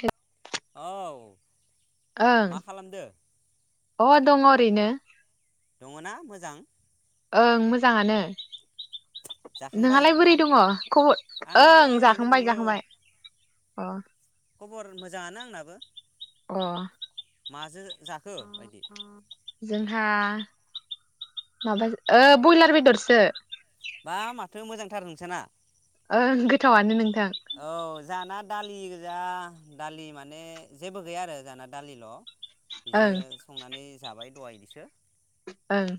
Hello औ मा खालामदो? अ दङ ओरैनो दङ ना मोजां? ओं मोजाङानो जाखांबाय नोंहालाय बोरै ओंखाम दङ खबर? आंबो ओं ओरैनो जाखांबाय दङो जाखांबाय अ खबर मोजाङानो आंनाबो। अ माजो जाखो बायदि? जोंहा माबाजो ओ बयलार बेदरसो बा माथो मोजांथार नोंसाना। ओं गोथावानो नों थां औ जाना दालि गोजा दालि माने जेबो गैया आरो जाना दालिल' ओं बिदिनो संनानै जाबाय दहायनिसो ओं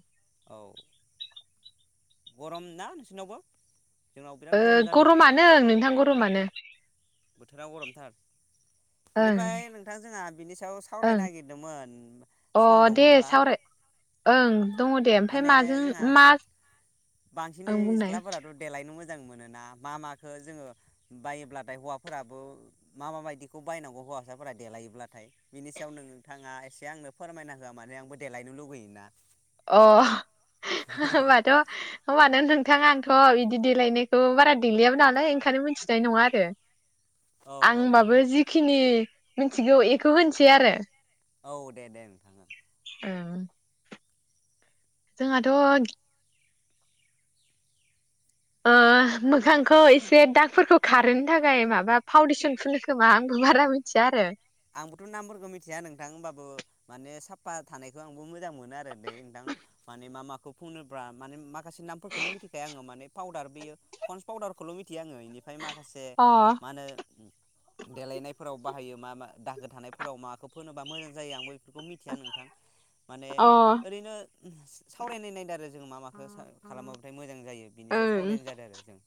औ गरम ना नोंसिनावबो? ओ गरमानो नोंथां गरमानो बोथोरा गरमथार ओं बेनिफ्राय नोंथां जोंहा बिनि सायाव सावरायनो ओं नागिरदोंमोन अ सम दे दङब्ला सावराय ओं दङ दे ओमफ्राय माने माजों जोंहा मा ओं बांसिनै बुंनाय सिख्लाफोराथ देलायनो मोजां जों मोनो ना बा माखो जोङो बायोब्लाथाय हौवा फोराबो मा मा बायदिखौ बायनांगौ हौवासाफोरा देलायोब्लाथाय बिनि सायाव नोंथाङा एसे आंनो फोरमायना होआ मानो आंबो देलायनो लुुबैयोना। अ होनबाथ' होमबा नों नोंथाङा थ बिदि देलायनायखौ बारा देलायाबो नालाय ओंखायनो मिथिनाय नङा आरो। औ औ आंबाबो जिखिनि मिनथिगौ एखौ होनसै आरो औ दे दे नोंथा ओं ओं जोंहाथ' ओ मोखांखौ एसे दागफोरखौ खारहोनो थाखाय माबा फाउडेसन फुनो खोमा आंबो बारा मिथिया आरो आंबोथ नामफोरखौ मिथिया नोंथां होनबाबो माने साफा थानायखौ आंबो मोजां मोनो आरो दे नोंथां माने मा माखौ फुनोबा माने माखासे नामफोरखौनो मिथिखाया आङो माने पाउदार बेयो पन्स पाउदारखौल मिथियो आङो इनि फ्राय माखासे अ मा होनो देलायनायफोराव बाहायो मा मा दाखो थानायफोराव माखो फोनोबा मोजां जायो आंबो बेखौ मिथिया नोंथां माने ओरैनो सावरायनाय नायदों आरो जों मा माखो खालामोबाथाय मोजां जायो बिनि सायाव ओं सावरायनाय जादों आरो जों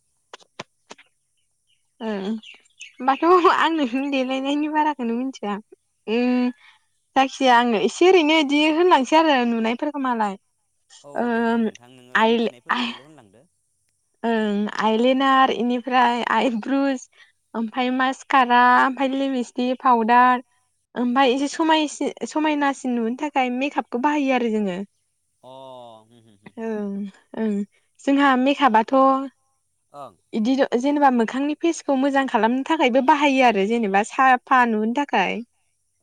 ओं होमबाथ आंनो देलायनायनि बाराखौनो मिथिया उम जायखिजाया आङो एसे ओरैनो इदि होनलांसै आरो नुनायफोरखौ मालाय औ दे दे ओम नोंथां नोङो आइल आइ मिथिनायफोरखौल होनलांदो ओं आइलइनार इनिफ्राय आइ ब्रुस ओमफ्राय मासकारा ओमफ्राय लिमस्टिक पाउदार ओमफ्राय एसे समाय समायनासिन नुनो थाखाय मेकआपखौ बाहायो आरो जोङो अ ओं ओं जोंहा मेकआपा थ ओं जेनेबा मोखांनि फेसखौ मोजां खालामनो थाखायबो बाहायो आरो जेनेबा साफा नुहो थाखाय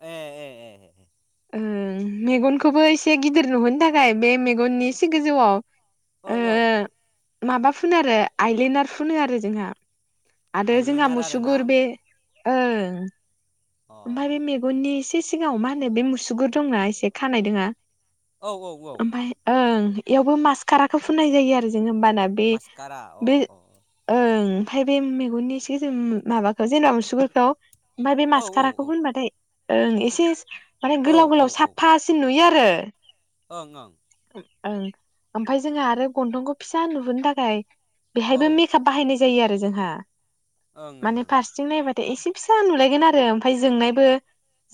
ए ए ए ओं मेगनखौबो एसे गिदिर नुहोनो थाखाय बे मेगननि एसे गोजौआव औ ओ औ माबा फुनो आरो आइलेनार फुनो आरो जोंहा आरो जोंहा आइलेनार आरो ना मुसुगुर बे ओं अ ओमफाय बि मेगननि एसे सिगाङाव मा होनो बे मुसुगुर दंना एसे खानाय दोङा औ औ औ ओमफाय ओं इयावबो मासखाराखौ फुननाय जायो आरो जोङो ओमबाना बे मास्कारा अ बे अ ओं ओमफ्राय बे मेगननि इसे जोम माबाखो जेनेबा मुसुगुरखौ ओमफ्राय बे औ औ मासकाराखौ फोनबाथाय ओं एसे माने औ गोलाव औ गोलाव औ साफासिन नुयो रो ओं ओं ओं ओमफ्राय जोङा आरो गन्थंखौ फिसा नुहोनो थाखाय औ बेहायबो ओं मिक आप बाहायनाय जायो आरो जोंहा ओं ओं माने औ फारसेथिं नायबा द एसे फिसा नुलायगोन आरो ओमफ्राय जोंनायबो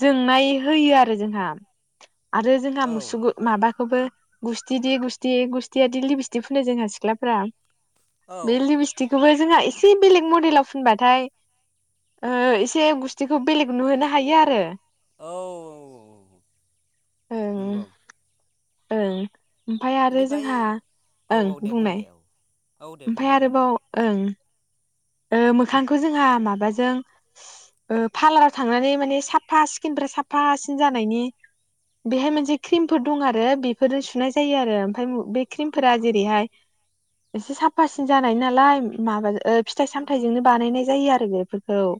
जोंनाय होयो आरो जोंहा आरो जोंहा औ मुसु माबाखौबो गुस्थि द गुस्थि गुस्थियााद लिबिस्थि फोननाय जोंहा सिख्लाफ्रा औ थेवबो जोंहा एसे बेलेग मडेलाव फुनबाथाय एसे गुस्थिखौ बेलेग नुहोनो हायो आरो औ ओं नंगौ ओं ओमफाय आरो बेनिफ्राय जोंहा औ ओं औ दे बुं दे बुंनाय औ औ दे ओमफाय बुंगोरलाय आरोबाव ओं ओ मोखांखौ जोंहा माबाजों पार्लाराव थांनानै माने साफा स्किनफ्रा साफासिन जानायनि बेहाय मोनसे क्रिमफोर दं आरो बेफोरजों सुनाय जायो आरो ओमफ्राय बे क्रिमफोरा जेरैहाय एसे साफासिन जानाय नालाय माबा फिथाइ सामथायजोंनो बानायनाय जायो आरो बेफोरखौ औ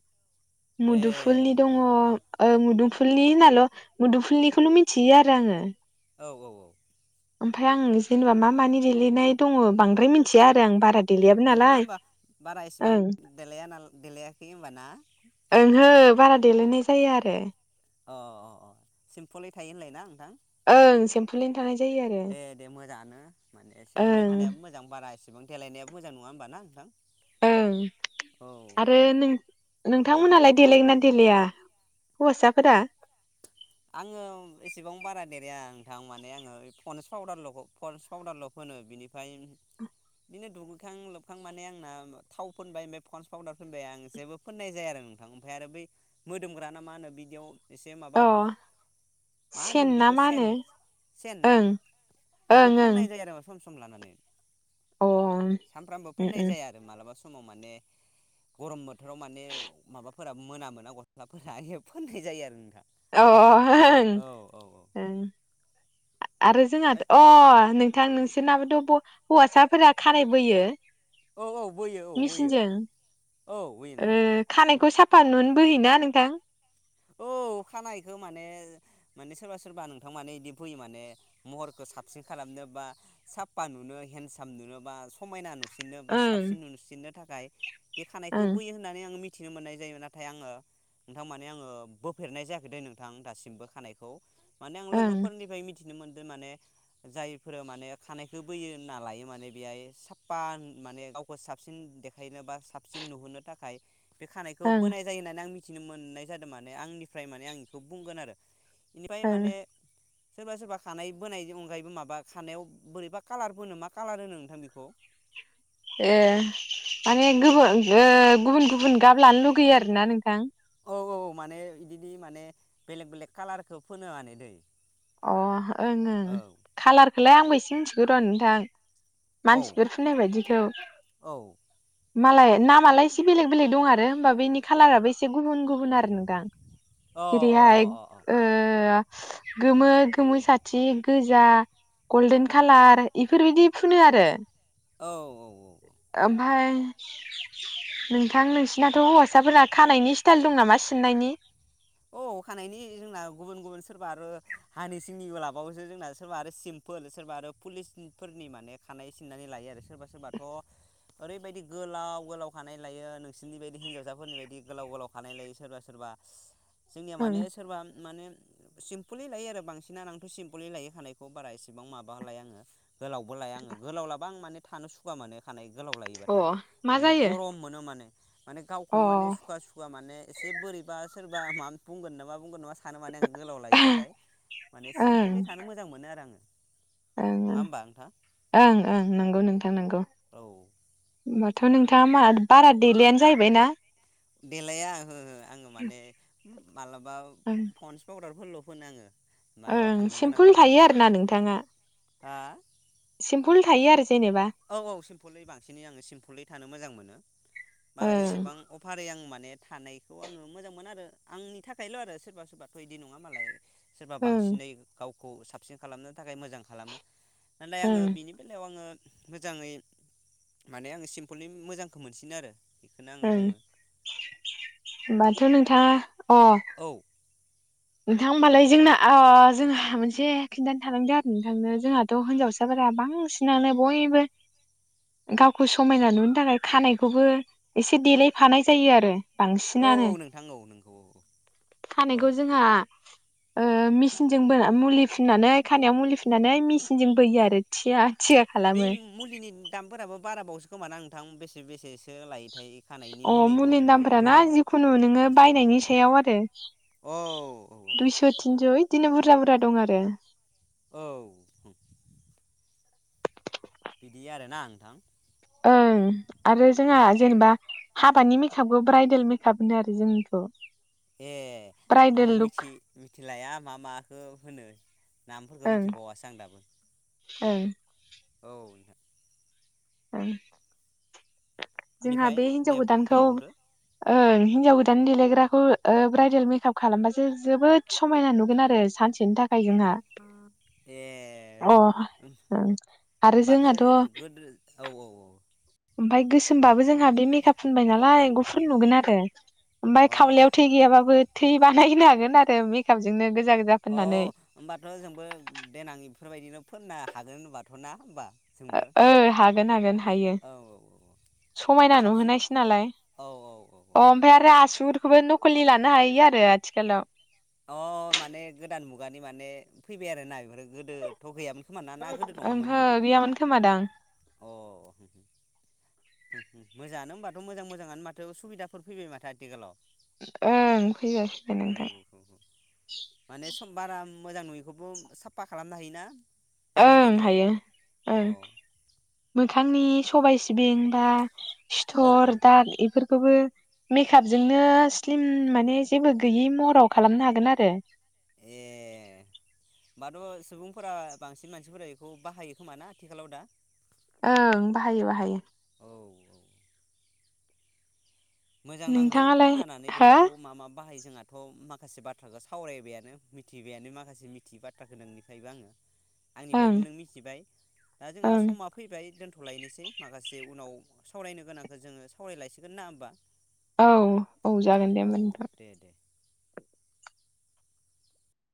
ए मुदुफुलनि दङ आं मुदुमफुल फुलनि होनाल' मुदुफुलनिखौल' मिथियो आरो आङो औ औ औ ओमफ्राय आं जेनेबा मा मानि देलायनाय दङ बांद्राय मिथिया आरो आं बारा देलायाबो नालाय इसेबां ओं देलाया नालाय देलायाखै होनबानाक्ष ओंहो बारा देलायनाय जायो आरो अ अ अ सिमपोलै थायो होनलाय ना नोंथां ओं सिम्पलैनो दे दे मोजाङानो माने सिम्पोललि ओं थानायाबो मोजां बारा इसेबां देलायनायाबो मोजां नङा होमबा ना थां ओं आरो नोंथांमोनालाय देलायगोना देलेया हौवासाफोरा आङो एसेबां बारा देराया नोंथां माने आङो फनस पावउदारल' फन्स पाउदारल' फोनो बिनिफ्राय बिदिनो दुगैखां लोबखां माने आंना थाव फोनबाय ओमफ्राय फनस पाउदार फोनबाय आं जेबो फोननाय जाया आरो नोंथां ओमफफ्राय आरो बै मोदोमग्राना मा होनो बिदियाव एसे अ मा सेन होनोमोन ना बेखौ मा सेन होनो सेन ना ओं ओं अ बेखौ उम फोननाय जायो आरो मा सम सम सम लानानै सामफ्रामबो फोननाय उम जाया आरो मालाबा सम समाव माने गरम बोथोराव माने माबाफोरा मो ज-जना मोना गस्लाफोरा फोननाय जायो आरो नोंथां अ अ ओं औ औ औ ओं आरो जोंहाथ' अ नोंथां नोंसोरनाबोथ' हौवासाफोरा खानाय बोयो औ औ बोयो औ बोयो मेचिनजों औ बोयो नोंथां ओ खानायखौ साफ फानुनो बोहैना नोंथां औ खानायखो माने माने सोरबा सोरबा नोंथां मोनसे इदि फैयो माने महरखो साबसिन खालामनो बा सापपा नुनो बा हेनसाम नुनो बा समायना नुनो नोबा ओं साबसिन नुसिननो थाखाय गाय बे खानायखौ ओं बोयो होननानै आं मिथि मिथिनो मोननाय जायो नाथाय आङो नोंथां माने आङो बोफेरनाय जायाखैदे नोंथां दासिमबो खानायखौ माने आं ओं लोगोफोरनिफ्राय मि मिथिनो मोन्दो माने जायफोर माने खानायखौ बोयो होनना लायो माने बेहाय सापपा माने गावखौ साबसिन देखायनो बा साबसिन नुहोनो थाखाय बे खानायखौ ओं बोनाय जायो होननानै आं मि मिथिनो मोननाय जादों मा आंनिफ्राय माने आं इखौ बुंगोन आरो इनिफाय ओं माने सोरबा सोरबा खानाय बोनायनि अनगायैबो माबा खानायाव बोरैबा कालार फोनो मा कालार होनो नोंथां बेखौ? ए माने गो ओ गुबुन गुबुन गाब लानो लुगैयो आरोना नोंथां औ औ माने इगिदि माने बेलेक बेलेग कालारखौ फोनो माने दै अ ओं ओं औ खालारखोलाय आंबो एसे मिनथि गोरान‌ नोंथां औ मानसिफोर फुननाय बायदिखौ औ मालाय नामालाय एसे बेलेग बेलेग दं आरो होमबा बेनि कालाराबो एसे गुबुन गुबु न आरो नोंथां अ अ अ जेरैहाय अ ओ गोमो गोमो साथि गोजा गल्डेन कालार इफोरबायदि फुनो आरो औ औ औ ओमफाय नोंथां नोंसिनाथ हौवासाफोरा खानायनि स्टाइल दं नामा सिननायनि औ खानायनि जोंना गुबुन गुबुन सोरबा आरो हानि सिंनि लाबावोसो जोंना सोरबा आरो सिमपोल सोरबा आरो पुलिसफोरनि माने खानाय सिननानै लायो आरो सोरबा सोरबाथ ओरैबायदि गोलाव गोलाव खानाय लायो नोंसोरनि बायदि हिनजावसाफोरनि बायदि गोलाव गोलाव खानाय लायो सोरबा सोरबा जोंनिया ओं माने सोरबा माने सिम्पोलै लायो आरो बांसिना आंथ सिमपोलै लायो खानायखौ बारा इसेबां माबालाया आङो गोलावबो लाया आङो गोलाव लाबा आं माने थानो सुकुवा माने खानाय गोलाव लायोबाथाय अ मा माने जायो गरम मोनो माने माने अ गावखौनो माने ओं सुखुवा सुखुवा माने एसे बोरैबा सोरबा मा बुंगोन नामा बुंगोन नामा सा नो माने आं गोलाव लायोबाथाय माने सिम्पुलैथानो मोजां मोनो आरो आङो ओं नङा ओं होमबा नोंथां ओं ओं नंगौ नोंथां नंगौ औ होमबाथ' नोंथाङा मा बारा देलायानो जाहैबाय ना देलाया ओहो ओहो ओ आङो माने माबलाबा ओं पन्स पाउदारफोरल' फोनाङो ओं सिमपोल थायो आरो ना नोंथाङा हा सिमपोल थायो आरो जेनेबा औ औ सिम्पोलै बांसिनै आङो सिम्पोलै थानो मोजां मोनो बारा ओं एसेबां अफारै आं म माने थानायखौ आङो मोजां मोन आरो आंनि थाखायल' आरो सोरबा सोरबाथ' इदि नङा मालाय सोरबा ओं बांसिनै गाव खौ साबसिन खालामनो थाखाय मोजां खालामो नालाय आङो ओं बिनि बेलायाव आङो मोजाङै माने आङो सिम्पोलनि मोजांखौ मोनसिनो आरो बेखौनो आङो ओं बुङो ओमबाथ' नों आ अ औ नोंथां होमबालाय जोंना ओ जोंहा मोनसे खिन्थानो थानांदों आरो नोंथांनो जोंहाथ' हिनजावसाफोरा बांसिनानो बयबो गावखौ समायना नुनो थाखाय खानायखौबो एसे देलायफानाय जायो आरो औ औ बांसिनानो नोंथां औ नोंगौ औ औ औ ओ मेसिनजों मुलि फिन्नानै खानायाव मुलि फिन्नानै मेसिनजों बोयो आरो थिया थिया बे खालामो मुलिनि दामफोराबो बारा बावसो खोमा नोंथां बेसे बेसेसो लायोथाय खानायनि अ मुलि मुलिनि दङना दामफोर ना बोनायाव जिखुनु नोङो बायनायनि सायाव आरो औ औ दुइस' थिनस' बिदिनो बुरजा बुरजा दं आरो औ बिदि आरोना नोंथां ओं आरो औ जोंहा जेनेबा हाबानि मेकआपखौ ब्राइडेल मेकआप होनो आरो जोंनिखौ ए ब्राइदेल आं लुक मिथि मिथिलाया मा माखौ होनो नामफोरखौ ओं मिथिबावासो आं दाबो ओं औ ओं जोंहा बेनिफ्राय बे हिन्जाव दे गोदानखौ बुंबावदो ओ हिनजाव गोदान देलायग्राखौ ओ ब्राइदेल मेकआप खालामबासो जोबोद समायना नुगोन आरो सानसे बिनि थाखाय जोंहा ए अ ओं आरो होमबाथ' जोंहाथ' गोदो औ औ औ ओमफाय गोसोमबाबो जोंहा बे मेकआप फुनबाय नालाय गुफुर नुगोन आरो ओमफाय अ खावलायाव थै गैयाबो थै [unintelligible] बानायनो हागोन आरो मेकआपजोंनो गोस औ होनोमबाथ' जोंबो देनाङि बेफोरबायदिनो फोननो हागोन होनबाथ' ना होमबा जोंबो ओ हागोन हागोन हायो औ औ औ समायना साबसिन नुहोनायसै नालाय औ औ अ ओमफ्राय आरो आसु बेखौबो नखलि लानो हायो आरो आथिखालाव अ माने गोदान मुगानि माने फैबाय आरोना बेफोरो गोदोथ' गैयामोन खोमा ना ना गोदो दंमोन ओंहो बिदि गैयामोन खोमादां मोजाङआनो होनोमबाथ' मोजां मोजाङानो माथो सुबिदाफोर फैबाय माथो आथिखालाव ओं फैबाय फैबाय औ नोंथां औ माने सम बारा मोजां नुयैखौबो साफा खालामनो हायोना? ओं देलायनायजों हायो अ ओं मोखांनि सबाइ सिबिं बा औ औ सिथर दाग इफोरखौबो मेकआपजोंनो स्लिम माने जेबो गैयि महराव खालामनो हागोन आरो हाथ' सुबुंफोरा बांसिन मानसिफोरा इखौ बाहायो खोमा ना आथिखालाव दा ओं बाहायो बाहायो औ औ मोजां नांदो नोंथाङालाय खोनानानै हो बेफोरखौ मा मा बाहायो जोंहाथ' माखासे बाथ्राखौ सावरायबायानो मिथिबायानो माखासे मिथिययो बाथ्राखौ नोंनिफ्रायबो आङो आंनिफ्रायबो ओं नों मिथिबाय दा जोंहा ओं समा फैबाय दोनथ' थ'लायनोसै माखासे उनाव सावरायनो गोनांखौ जोङो सावरायलायसिगोन ना होमबा। औ औ जागोन दे औ होमबा नोंथां दे दे